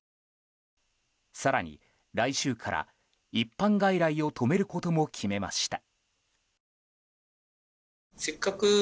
更に来週から一般外来を止めることも決めました。